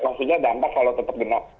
maksudnya dampak kalau tetap genap